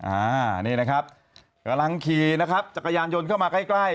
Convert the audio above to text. อ่านี่นะครับกำลังขี่นะครับจักรยานยนต์เข้ามาใกล้ใกล้